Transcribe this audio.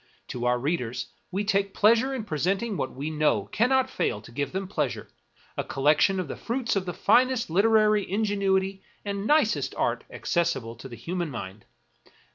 To our readers we take pleasure in presenting what we know cannot fail to give them pleasure — a collec tion of the fruits of the finest literary ingenuity and nicest art accessible to the human mind.